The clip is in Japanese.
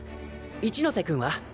一ノ瀬君は？